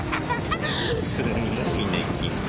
すごいね君。